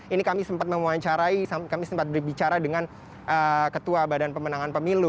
ini kami sempat mewawancarai kami sempat berbicara dengan ketua badan pemenangan pemilu